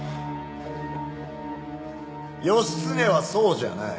義経はそうじゃない。